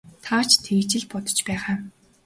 Та ч тэгж л бодож байгаа.